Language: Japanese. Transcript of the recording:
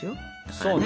そうだね。